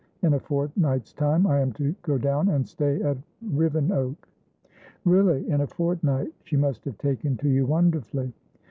In a fortnight's time I am to go down and stay at Rivenoak." "Really? In a fortnight? She must have taken to you wonderfully."